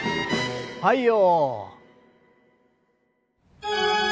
はいよ！